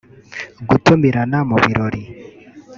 gutumirana mu birori